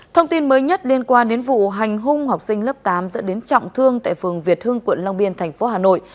thông tin mới nhất liên quan đến vụ hành hung học sinh lớp tám dẫn đến trọng thương tại phường việt hưng quận long biên thành phố hà nội